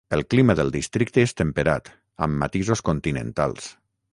El clima del districte és temperat, amb matisos continentals.